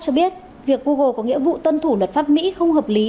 cho biết việc google có nghĩa vụ tuân thủ luật pháp mỹ không hợp lý